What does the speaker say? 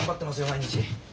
毎日。